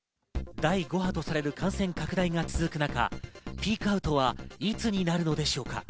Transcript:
第５波とされる感染拡大が続く中、ピークアウトはいつになるのでしょうか？